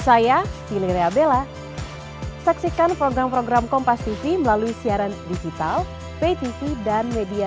saya pilih rea bella saksikan program program kompas tv melalui siaran digital vtv dan media